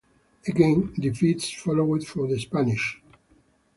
Again, defeats followed for the Spanish.